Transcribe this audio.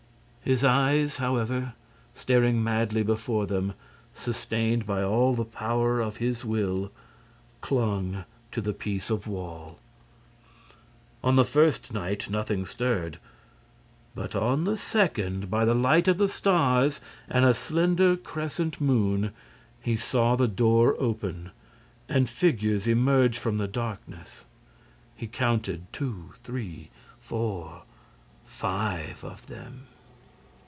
His eyes, however, staring madly before them, sustained by all the power of his will, clung to the piece of wall. On the first night, nothing stirred; but, on the second, by the light of the stars and a slender crescent moon, he saw the door open and figures emerge from the darkness: he counted two, three, four, five of them.